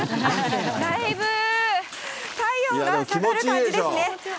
だいぶ体温が下がる感じですね。